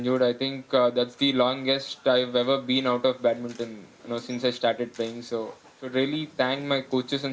jadi saya ingin mengucapkan terima kasih kepada pelatih dan pekerja yang membantu saya setelah kembali dari kecemasan